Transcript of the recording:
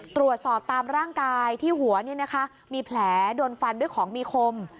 ตรวจสอบตามร่างกายที่หัวมีแผลโดนฟันด้วยของมีคม